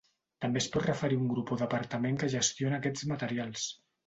També es pot referir a un grup o departament que gestiona aquests materials.